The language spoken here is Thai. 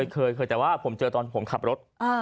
เคยแต่ว่าผมเจอตอนผมขับรถ